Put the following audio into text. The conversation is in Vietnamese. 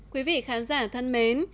quý vị khán giả thân mến